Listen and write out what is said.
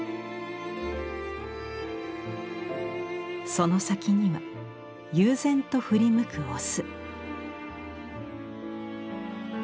その先には悠然と振り向くオス。